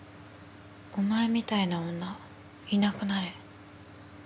「お前みたいな女いなくなれ」。